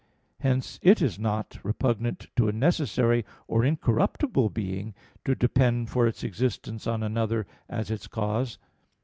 Hence it is not repugnant to a necessary or incorruptible being to depend for its existence on another as its cause.